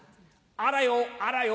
あらよあらよ